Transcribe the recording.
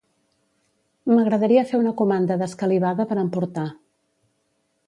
M'agradaria fer una comanda d'escalivada per emportar